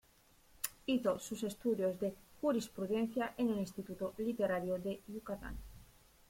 Hizo sus estudios de jurisprudencia en el Instituto Literario de Yucatán.